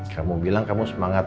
kamu bilang kamu semangat